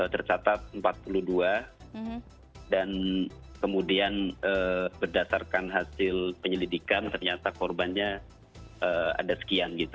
tercatat empat puluh dua dan kemudian berdasarkan hasil penyelidikan ternyata korbannya ada sekian gitu